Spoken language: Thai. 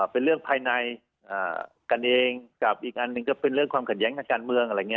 เป็นเรื่องภายในกันเองกับอีกอันนึงก็เป็นเรื่องความขัดแย้งทางการเมือง